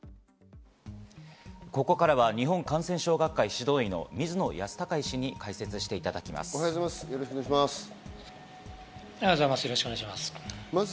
ここからは日本感染症学会・指導医の水野泰孝医師に解説していただきます。